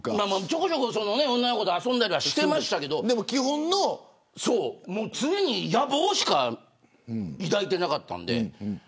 ちょくちょく女の子と遊んだりしてましたけど常に、野望しか抱いていなかったので。